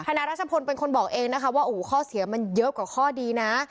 นารัชพลเป็นคนบอกเองนะคะว่าโอ้โหข้อเสียมันเยอะกว่าข้อดีนะ